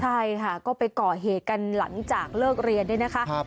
ใช่ค่ะก็ไปก่อเหตุกันหลังจากเลิกเรียนด้วยนะคะ